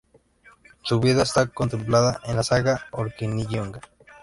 Su vida está contemplada en la "saga Orkneyinga".